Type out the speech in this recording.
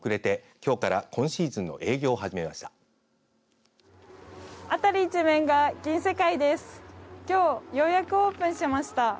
きょうようやくオープンしました。